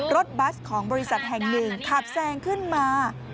บัสของบริษัทแห่งหนึ่งขับแซงขึ้นมา